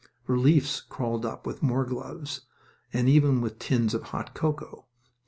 Reliefs crawled up with more gloves, and even with tins of hot cocoa.